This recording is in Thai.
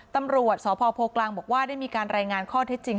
ตำรวจสพโพกลางบอกว่าได้มีการรายงานข้อเท็จจริง